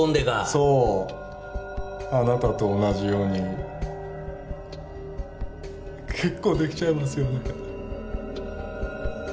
そうあなたと同じように結構できちゃいますよね？